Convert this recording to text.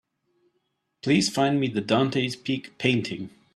Please find me the Dante's Peak painting.